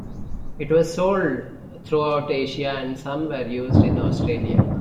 It was sold throughout Asia, and some were used in Australia.